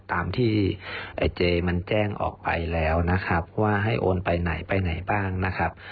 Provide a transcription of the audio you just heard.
ตามที่ไอ้เจมันแจ้งออกไปแล้วนะครับว่าให้โอนไปไหนไปไหนบ้างนะครับ